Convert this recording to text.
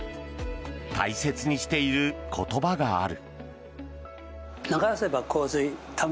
大切にしている言葉がある。